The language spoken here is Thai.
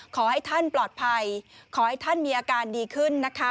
ขอให้ท่านปลอดภัยขอให้ท่านมีอาการดีขึ้นนะคะ